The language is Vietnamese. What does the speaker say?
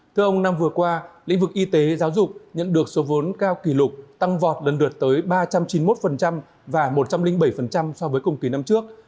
thưa ông năm vừa qua lĩnh vực y tế giáo dục nhận được số vốn cao kỷ lục tăng vọt lần lượt tới ba trăm chín mươi một và một trăm linh bảy so với cùng kỳ năm trước